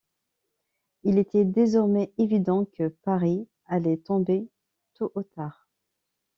Il était désormais évident que Paris allait tomber tôt ou tard.